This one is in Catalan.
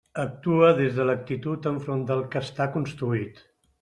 Actua des de l'actitud enfront del que està construït.